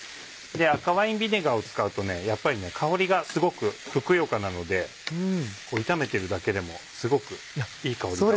赤ワインビネガーを使うとやっぱり香りがすごくふくよかなので炒めてるだけでもすごくいい香りが。